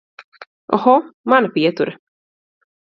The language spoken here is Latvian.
Oho, mana pietura.